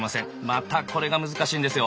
またこれが難しいんですよ。